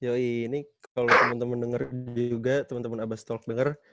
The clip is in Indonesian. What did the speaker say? yoi ini kalau teman teman denger juga teman teman abas talk denger